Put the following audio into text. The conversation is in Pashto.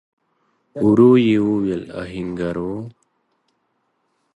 ورو يې وويل: آهنګر و؟